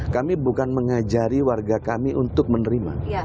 kami bukan mengajari warga kami untuk menerima